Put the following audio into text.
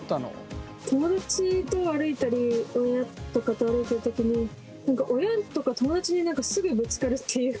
友達と歩いたり親とかと歩いてる時に何か親とか友達にすぐぶつかるっていうか。